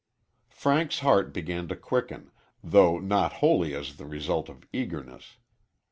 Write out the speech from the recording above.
Frank's heart began to quicken, though not wholly as the result of eagerness.